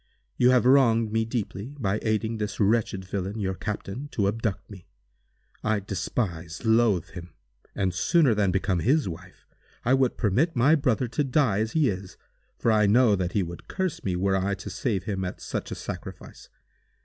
You have wronged me deeply, by aiding this wretched villain, your captain, to abduct me. I despise, loathe him; and, sooner than become his wife, I would permit my brother to die as he is, for I know that he would curse me were I to save him at such a sacrifice.